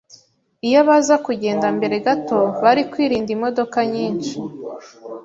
Iyo baza kugenda mbere gato, bari kwirinda imodoka nyinshi